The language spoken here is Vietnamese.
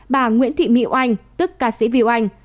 bà nguyễn thị mịu anh tức ca sĩ viêu anh